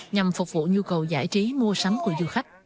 nhằm phục vụ nhu cầu giải trí mua sắm của du khách